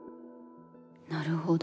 なるほど。